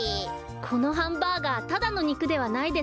このハンバーガーただのにくではないですね。